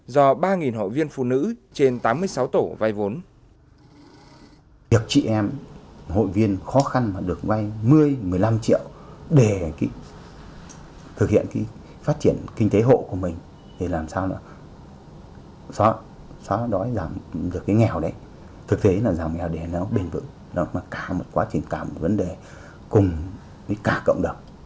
do ba hội viên phụ nữ trên tám mươi sáu tổ vay vốn